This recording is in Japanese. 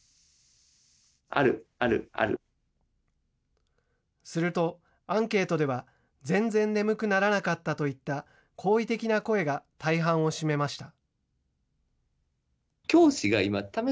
ある、すると、アンケートでは全然眠くならなかったといった、好意的な声が大半を占めました。